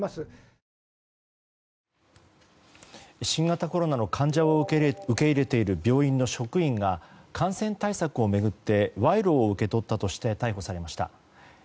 新型コロナの患者を受け入れている病院の職員が感染対策を巡って賄賂を受け取ったとして逮捕されました。